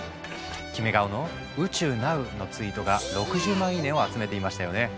キメ顔の「宇宙なう」のツイートが６０万いいねを集めていましたよね。